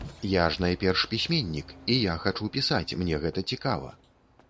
Я ж найперш пісьменнік і я хачу пісаць, мне гэта цікава.